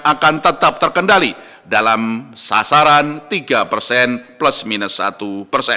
akan tetap terkendali dalam sasaran tiga persen plus minus satu persen